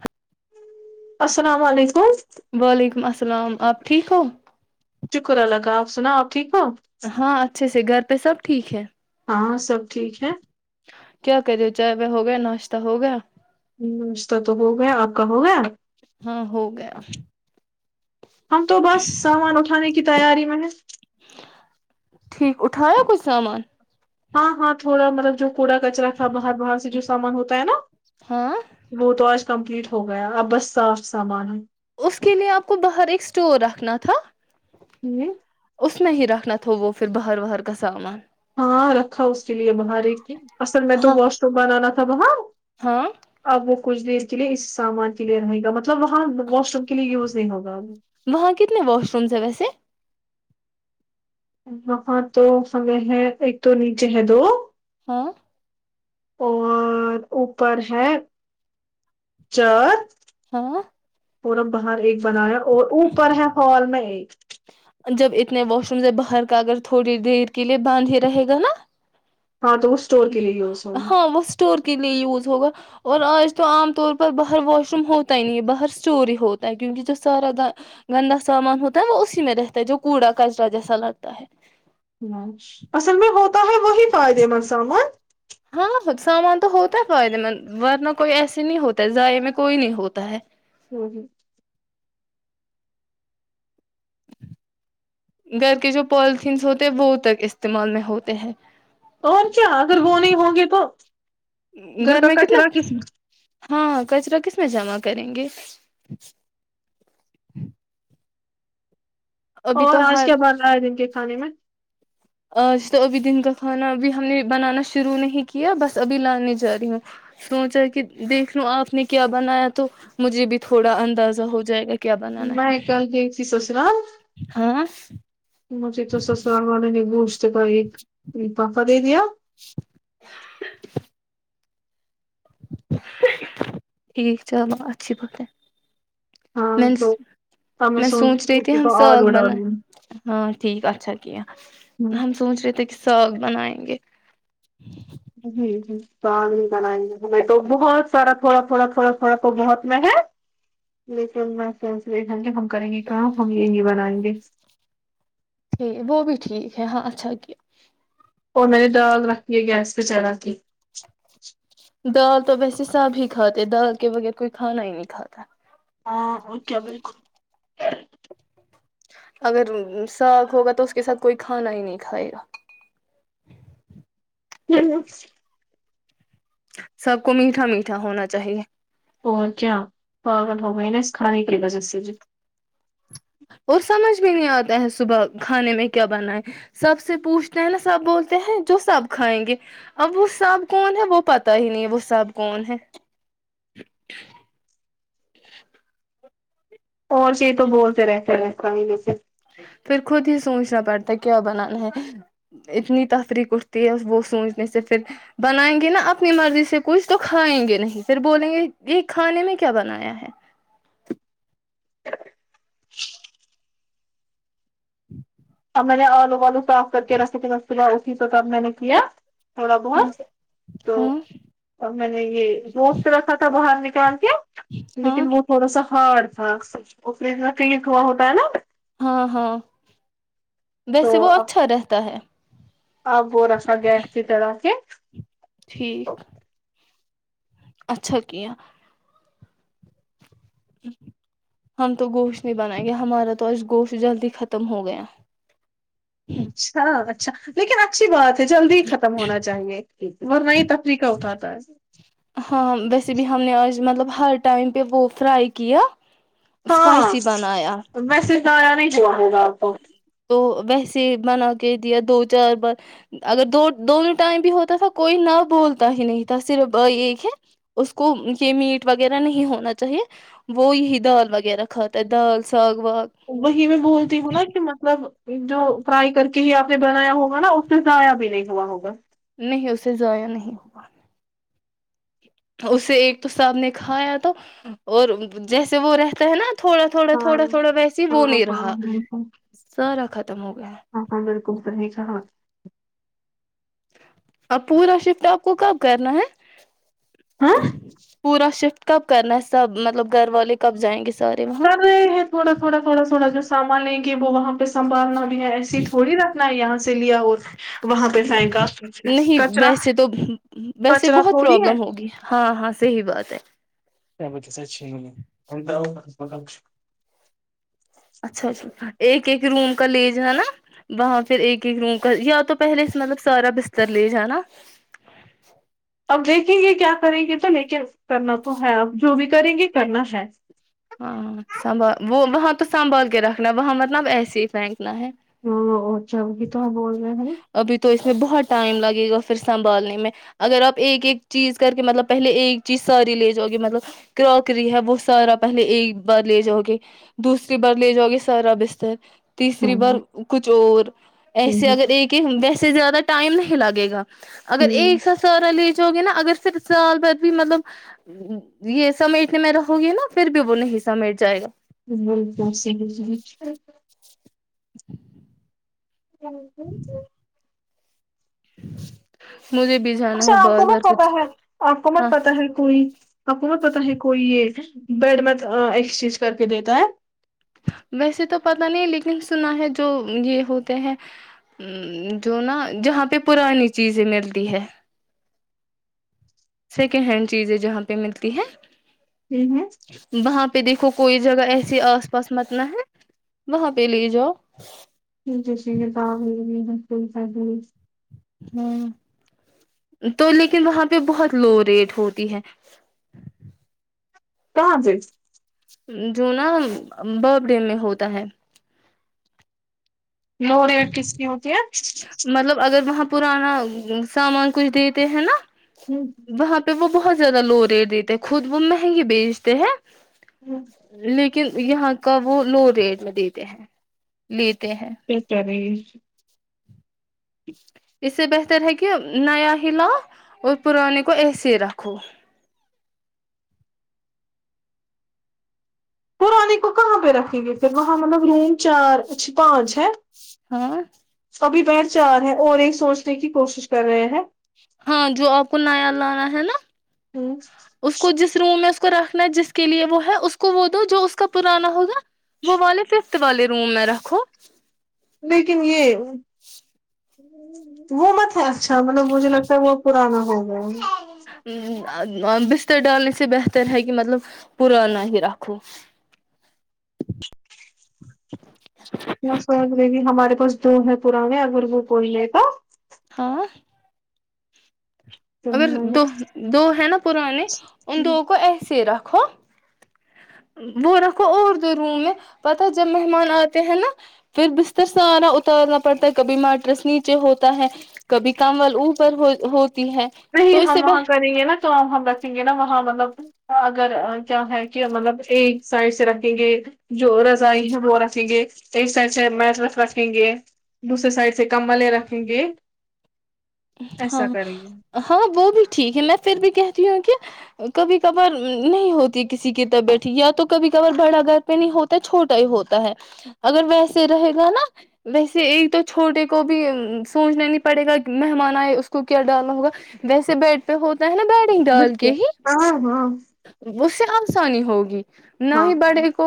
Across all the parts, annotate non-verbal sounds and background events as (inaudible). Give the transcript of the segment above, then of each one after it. ہاں السلام علیکم وعلیکم السلام اللام آپ ٹھیک ہو شکر اللہ کا آپ سنا آپ ٹھیک ہے ہاں اچھے گھر پہ سب ٹھیک ہے ہاں سب ٹھیک ہے کیا کرے ہو چائے پ ہو گیا ناشتہ ہو گیا ہ ناشتہ تو ہو گیا آپ کا ہوگیا ہاں ہو گیا ہم تو بس سامان اٹھانے کی تیاری میں نے ٹھیک اٹھایا کوچئی سامان ہاں ہاں تھوڑا مطلب جو کوڑا کچرا تھا باہر باہر سے جو سامان ہوتا ہے نا ہاں وہ تو کمپلیٹ ہو گیا اب بس صاف سامان ہے اس کے لیئے آپ کو باہر ایک اسٹور رکھنا تھا ہوں اس میں ہی رکھنا تھا وہ پھر باہر واہر کا سامان ہاں رکھا اس کے لیے باہر اصل میں تو ہاں واش روم بنانا تھا سب ہاں ہاں کچھ دیر کے لیے اس سامان کے لیے رہے گا مطلب وہاں واش روم کے لیے یوز نہیں ہوگا وہاں کتنے واش رومس ہیں ویسے الاں تو فگح ہے ایک تو نیچے ہے دو ہاں اور اوپر ہے چر ہاں پورا باہر ایک بنایا اور اوپر ہے ہال میں ایک جب اتنے واش روم سے باہر کا اگر تھوڑی دیر کے لیئے بند ہی رہے گا نا ہاں تو وہ اسٹور کے لیے یوز ہاں ہوگا وہ اسٹور کے لیے یوز ہوگا اور آج تو عام طور پر باہر واش روم ہوتا ہی نہیں ہے باہر اسٹوری ہوتا ہے کیونکہ جو سارا گندا سامان ہوتا ہے وہ اسی میں رہتا ہے جو کوڑا کچرا جیسا لگتا ہے ہ اصل میں ہوتا ہے وہی پائےدے سامان ہاں سامان تو ہوتا ہے فائدے مند ورنہ کوئی ایسے نہیں ہوتا ہے ضائع میں کوئی نہیں ہوتا ہے ہوں ہوں گھر کے جو پالیتھینس ہوتے ہیں وہ تک استعمال میں ہوتے ہیں اور کیا اگر وہ نہیں ہوں گے تو گھر کا میں کتنا کچرا کس ہاں کچرا کس میں جمع کریں گے ابھی اور تو آج ہر کیا بن رہا ہے دن کے کھانے میں آج تو ابھی دن کا کھانا ابھی ہم نے بنانا شروع نہیں کیا بس ابھی لانے جا رہی ہوں سوچا کہ دیکھ لو آپ نے کیا بنایا تو مجھے بھی تھوڑا اندازہ ہو جائے گا کیا بنانا میں ہے ایک گل یہی ت س جان ہاں مھے تو سسرال وال نے گوش کا ایک پک دیا (unintelligible) ٹھیک چلو اچھی پ ہاں میں تو اب میں سوچ ہوں رہی تھی اسی ہم کو ساگ آلو بنائے ڈالوں ہاں ٹھیک اچھا کہ ہوں ہم سوچ رہے تھے کہ ساگ بنائےیں ہمے جی ج تو آ بھی بنائیں گے ہمیں تو بہت سارا تھوڑا تھوڑا تھڑا تھوڑا تو بہت میں ہے لیکن میں کیسل ج گے ہم کریں گے کام ہم یہ نہیں بنائیں گے ٹھیک وہ بھی ٹھیک ہے ہاں اچھا کیا اور میں نے دال رکھی ہے گیس پہ چڑھا کے دال تو ویسے سب ہی کھاتے دال کے بغیر کوئی کھانا ہی نہیں کھاتا ہاں اوکے بالکل اگر ساگ ہوگا تو اس کے ساتھ کوئی کھانا ہی نہیں کھائے گا (unintelligible) سب کو میٹھا میٹھا ہونا چاہیے اور کیا پاگل ہو گئے نا اس کھانے کی وجہ سے ج اور سمجھ بھی نہیں آتا ہے صبح کھانے میں کیا بنائے سب سے پوچھتے ہیں نا سب بولتے ہیں جو سب کھائیں گے اب وہ سب کون ہے وہ پتا ہی نہیں وہ سب کون ہے اور چی تو بولتے رہتے رہس ہیچے پھر خود ہی سوچنا پڑتا ہے کیا بنانا ہے اتنی تفریق اٹھتی ہے وہ سوچنے سے پھر بنائیں گے نا اپنی مرضی سے کچھ تو کھائیں گے نہیں پھر بولیں گے یہ کھانے میں کیا بنایا ہے ہی اب میں نے الو صاف کر کے رکھا میاب میں نے صاف کر کے رکھے تو تب میں نے کیا تھوڑا ہاں بہت تو ہاں (unintelligible) گوشت رکھا تھا باہر نکال کے تو ہاں لیکن وہ تھوڑا سا ہارڈ تھا وہ فرج میں فریز ہوتا ہے نا ہاں ہاں تو ویسے وہ اچھا رہتا ہے آپ وہ رکھا گیا اس کی طر آ کے ٹھیک اچھا کیا ہم تو گوشت نہیں بنائیں گے ہمارا تو آ گوشت جلدی ختم ہو گیا اچھا اچھ لیکن آپ اچھی بات ہے جلدی ہی ختم ہونا چاہیے ورنہ ہی تفریقہ اٹھاتا ہے ہاں ویسے بھی ہم نے آج مطلب ہر ٹائم پہ وہ فرائی کیا ہاں اسپائسی بنایا ویسے اس کا آیا نہیں ہوا (inaudible) تو ویسے بنا کے دیا دو چار بار اگر دو دونوں ٹائم بھی ہوتا تھا کوئی نہ بولتا ہی نہیں تھا صرف ایک ہے اس کو یہ میٹ وغیرہ نہیں ہونا چاہیے وہ یہی دال وغیرہ کھاتا ہے دال ساگ واگ وہی میں بولتی ہوں ن کہ مطلب جو فرائی کر کے ہی آپ نے بنایا ہوگا نا اس سے ضایا بھی نہیں ہوا ہوگا نہیں اسے ضایا نہیں ہوا اسے ایک تو صاحب نے کھایا تو اور جیسے وہ رہتا ہے نا تھوڑا تھوڑا ہاں تھوڑا تھوڑا ویس وہ ہاں نہیں ہاں رہا بالکل سارا ختم ہو گیا ہاں (inaudible) اب پورا شفٹ آپ کو کب کرنا ہے پورا شف کب کرنا ہے سب مطلب گھر والے کب جائیں گے سارے وہاں سر ہے تھوڑا تھوڑا تھوڑا تھوڑا جو سامان ہے کہ وہاں پہ سنبالنا ایسی تھوڑی رکھنا ہے یہاں سے اس لیا اور وہاں پہ پھینکا نہیں کچرا ویسے تو ویسے کچرا بہت تھوڑی ہے پروابلم ہوگی ہاں ہاں صحیح بات ا (inaudible) کیا ب کیسچ اچھا ایک (inaudible) ایک ایک روم کا لے ج نا وہاں پھر ایک ایک روم کا یا تو پہلے مطلب سارا بستر لے ج نا اب دیکھیں گے کیا کریں گے تو لیک کرنا تو ہے اب جو بھی کریں گے کرنا ہے ہاں سنبھال وہ وہاں تو سنبھال کے رکھنا وہاں مطلب ایسے ہی فک ہ جب بھی تو بول رہے ہیںا ھر بہت ٹائم لگے گا پھر سنبھالنے میں اگر آپ ایک ایک چیز کر کے مطلب پہلے ایک چیز ساری لے جاؤ گے مطلب کرواکری ہے وہ سارا پہلے ایک بار لے جاؤ گے دوسری بار لے جاؤ گے سارا بستر تیسری بار کچھ اور ایسے اگر ایک ایک ویسے زیادہ ٹم نہیں لگے گا اگر ایک سا سورا لی گے نا اگر صرف سال ب بھی مطلب یہ سمیٹنے میں رہو گی نا پھر بھی وہ نہیں حصہ مٹ جائے گا بک س (inaudible) ہ (inaudible) مجھے بھی جانا ہے اچھا آپ کو بازار مت پتا کچھ ہے آپ کو ہاں مت پتا ہے کوئی حکومت پتا ہے کوئی یہ بیڈ میںت ایکسچینج کر کے دیتا ہے ویسے تو پت نہیں لیکن سنا ہے جو یہ ہوتے ہے جو نا جہاں پہ پرانی چیزیں ملتی ہے سیکنڈ ہینڈ چیزیں جہاں پہ ملتی ہیں ہے وہاں پہ دیکھو کوئی جگہ ایسیے آس پاس متنا ہے وہاں پہ لے جاؤ ج جیسی کتاب ہے گ ہے س س د (inaudible) ہ تو لیکن وہاں پہ بہت لو ریٹ ہوتی ہے کہاں سے جو نا بر ڈے میں ہوتا ہے لوری کس کی ہوتی ہے مطلب اگر وہاں پرانا سامان کچھ دیتے ہیں نا ہوں، وہاں پہ وہ بہت زیادہ لو ریٹ دیتے ہیں خود وہ مہنگے بیچتے ہیں ہوں۔ ل ل یہاں کا وہ لو ریٹ میں دیتے ہیں لی ہیں رش اس سے بہتر ہے کہ نیا ہلا اور پرانے کو ایسے رکھو پرانے کو کہاں پہ رکھیں گے پھر وہاں مطلب رینگ چار اچ پانچ ہے ہاں سبھی ب چار ہیں اور ایک سوچنے کی کوشش کر رہے ہیں ہاں جو آپ کو نیا لانا ہے نا ہوں، اس کو جس روم میں کو رکھنا جس کے لیے وہ ہے اس کو وہ دو جو اس کا پرانا ہوگا وہ والے ففتھ والے روم میں رکھو لیکن یہ وہ مطلب اچھا مطلب مجھے لگتا ہے وہ پرانا ہو ھم ہ ب (inaudible) ر ڈالنے سے بہتر ہے کہ مطلب پرانا ہی رکھو (inaudible) سوی ہمارے پاس دو ہیں پرانے اگر وہ بول لے تو ہاں تو اگر دو ہم دو ہیں نا پرانے ان دووں کو ایسیرا و وہ رکھو اور د روم میں پتا جب مہمان آتے ہیں نا پھر بستر س آارا اتارنا پڑتا ہے کبھی ماٹرس نیچے ہوتا ہے کبھی کم وال اوپر ہوتی ہے تو نہیں اس سے ہم وہاں کریں گے نا کام ہم رکھیں گے نا وہاں مطلب اگر کیا ہے کہ مطلب ایک سائڈ سے رکھیں گے جو رزاائی ہیں ہو رہ سیں گ ایک سائڈ سے میٹ رف رکھیں گے دوسرے سائڈ سے کمبلے رکھیں گے ایسا ہاں کریے ہاں وہ بھی ٹھیک ہے میں پھر بھی کہتی ہوں کہ کبھی کبھار نہیں ہوتی کسی کی طبیعت یا تو کبھی کبھار بڑا گھر پہ نہیں ہوتا چھوٹا ہی ہوتا ہے اگر ویسے رہے گا نا ویسے ایک تو چھوٹے کو بھی سوچنا نہیں پڑے گا مہمان آئے اس کو کیا ڈالنا ہوگا ویسے بیڈ پہ ہوتا ہے نا بیڈنگ بس ڈال کے ہی ہاں ہاں اس سے آسانی ہوگی نہیں ہاں ہی بڑھے کو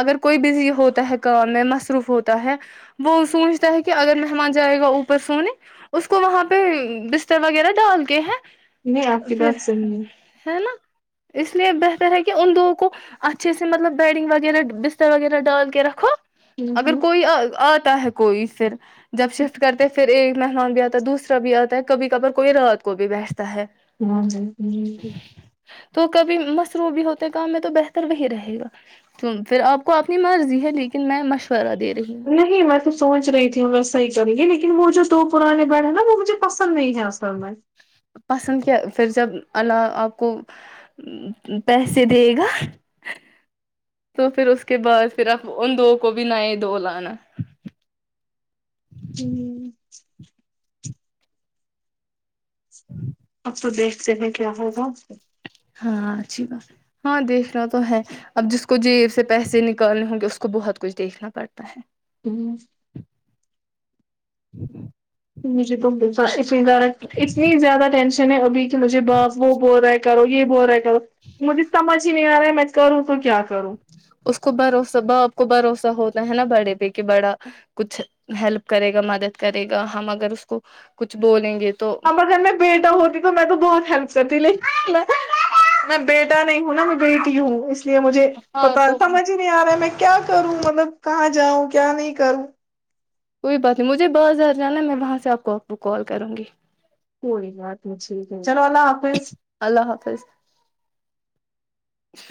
اگر کوئی بزی ہوتا ہے کام میں مصروف ہوتا ہے وہ سوچتا ہے کہ اگر مہمان جائے گا اوپر سونے اس کو وہاں پہ بستر وغیرہ ڈال کے ہیں نہیں آپ کی بات صحیح ہے ہے نا اس لیے بہتر ہے کہ ان دگوں کو اچھے سے مطلب بیڈنگ وغیرہ بستر وغیرہ ڈال کے رکھو ہوں، اگر ہوں۔ کوئی آ آ تا ہے کوئی پھر جب شفٹ کرتے پھر یہ م میںمان گیا دوسرا بھی آتا ہے کبھی کبار کوئی رات کو بھی بیٹھتا ہے ہ جی جی تو کبھی مصروع بھی ہوتے کام میں تو بہتر وہی رہے گا پھر آپ کو اپنی مرضی ہے لیکن میں مشورہ دے رہی ہوں نہیں میں تو سوچ رہی تھی ہم و صحی کریں گے لیکن م جو تو پرانے بیڑ ہیں نا وہ مجھے پسند نہیں ہے میں پسند کیا پھر جب ال آپ کو پیسے دے گا تو پھر اس کے بعد پھر آپ ان دو کو بھی نئے دو لانا ہوں اب تو دیکھتے ہیں کیا ہو گا ہاں اچھی بات ہاں دیکھنا تو ہے اب جس کو جیب سے پیسے نکالنے ہوں گے اس کو بہت کچھ دیکھنا پڑتا ہے ہوں ہ ہ (inaudible) ج جی د س اتنی زیادہ ٹینشن نے ابھی مجھے باپ وہ بول رہا ہے کرو گ یہ بہت مج بھی سمج نہیں آ رہا ہے میں کروں کو کیا کر اس کو بھروسہ باپ کو بھروسہ ہوتا ہے نا بڑے پہ کہ بڑا کچھ ہیلپ کرے گا مدد کرے گا ہم اگر اس کو کچھ بولیں گے تو ہمار گھر میں بیٹا ہوتی تو میں تو بہت ہیلپ کرتی لیکن میں بیٹا نہیں ہوں ن نہا میں بیٹی ہوں اس مجھے ہاں پتا تو سمجھ ہی نہیں آ رہا ہے میں کیا کروں مطلب کہاں جاؤں کیا نہیں کروں کوئی بات نہیں مجھے بازار جانا ہے میں وہاں سے آپ کو کال کروں گی کوئی بات نہیں ٹھیک ہے چلو اللہ حافظ جچ (inaudible)